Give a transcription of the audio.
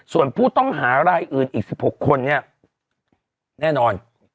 ส่วนผู้ต้องหารายอื่นอีก๑๖คนเนี่ยแน่นอน